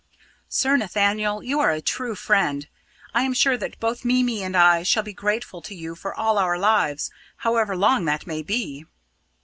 "Sir Nathaniel, you are a true friend; I am sure that both Mimi and I shall be grateful to you for all our lives however long they may be!"